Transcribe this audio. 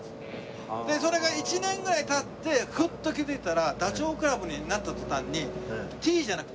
それが１年ぐらい経ってふっと気づいたらダチョウ倶楽部になった途端に。